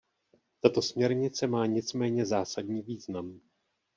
Tato směrnice má nicméně zásadní význam.